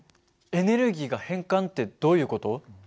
エネルギーが変換ってどういう事？